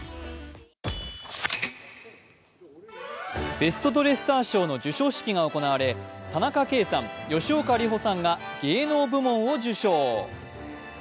ベストドレッサー賞の授賞式が行われ、田中圭さん、吉岡里帆さんが芸能部門を受賞。